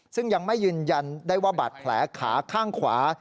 ซึ่งยังไม่ยืนยันได้ว่าบาดแผลขาข้างขวา